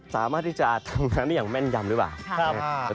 สามารถที่จะทำงานอย่างแม่นยำด้วยบ้าง